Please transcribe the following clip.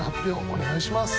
お願いします。